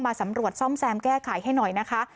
สำรวจซ่อมแซมแก้ไขให้หน่อยนะคะ